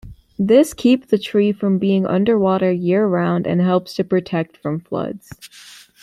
This keep the tree from being underwater year-round and helps to protect from floods.